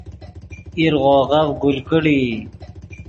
ایرغوغف گل کڑیئی